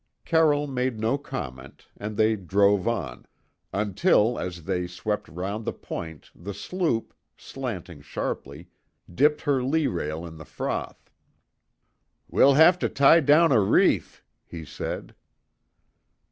Carroll made no comment, and they drove on, until as they swept round the point the sloop, slanting sharply, dipped her lee rail in the froth. "We'll have to tie down a reef," he said.